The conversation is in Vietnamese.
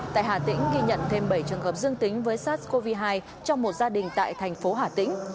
tại hà tĩnh ghi nhận thêm bảy trường hợp dương tính với sars cov hai trong một gia đình tại thành phố hà tĩnh